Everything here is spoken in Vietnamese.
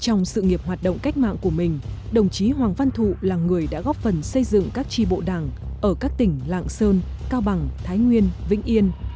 trong sự nghiệp hoạt động cách mạng của mình đồng chí hoàng văn thụ là người đã góp phần xây dựng các tri bộ đảng ở các tỉnh lạng sơn cao bằng thái nguyên vĩnh yên